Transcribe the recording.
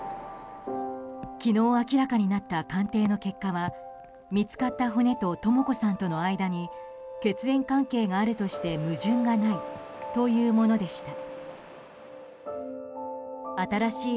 昨日、明らかになった鑑定の結果は見つかった骨ととも子さんとの間に血縁関係があるとして矛盾がないというものでした。